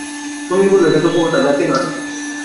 মুনির বলল, এটা তো উপকথা, সত্যি নয়।